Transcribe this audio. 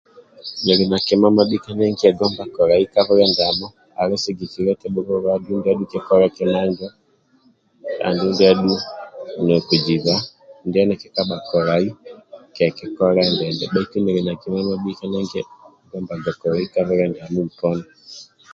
Nili na kima mabhika ndie nikiegomba kolai ka bwile ndiamo ali sigikilia eti kigendeleluwa ndia adhu kikola kima injo andulu ndia adhu ninikiziba ndie nikikabha kolai kekikolembe bbaitu ninli na kima mabhika ndie nikiegombaga kolai ka bwile ndiamo uponi